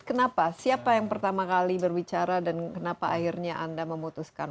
kenapa siapa yang pertama kali berbicara dan kenapa akhirnya anda memutuskan